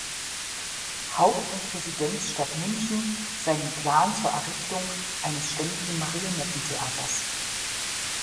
Haupt- und Residenzstadt München seinen Plan zur „"Errichtung eines ständigen Marionettentheaters"“.